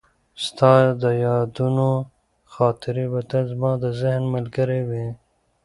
ستا د یادونو خاطرې به تل زما د ذهن ملګرې وي.